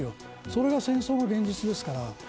それが戦争の現実ですから。